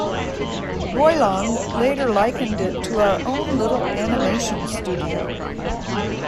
Roiland later likened it to our own little animation studio.